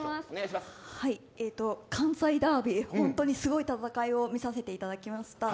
関西ダービー、本当にすごい戦いを見させていただきました。